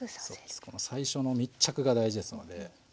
そうですこの最初の密着が大事ですので。